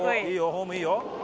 フォームいいよ。